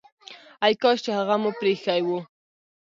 ای کاش چي هغه مو پريښی وو!